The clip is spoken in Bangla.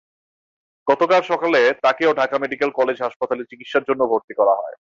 গতকাল সকালে তাঁকেও ঢাকা মেডিকেল কলেজ হাসপাতালে চিকিৎসার জন্য ভর্তি করা হয়।